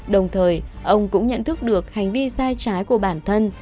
đồng thời ông cũng nhận thức được hành vi sai trái của bản thân